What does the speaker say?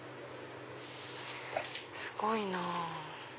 すごいなぁ。